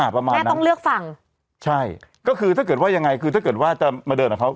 ประมาณนั้นใช่คือถ้าเกิดว่ายังไงคือถ้าเกิดว่าจะมาเดินกับเขา